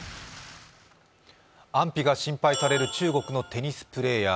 安否が心配される中国のテニスプレーヤー。